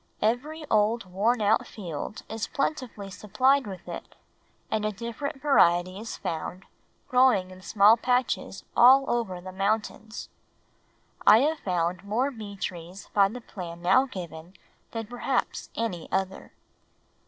Every old worn out field is plentifully supplied with it and a different variety is found growing in small patches all over the mountains. I have found more bee trees by the plan now given than perhaps any other.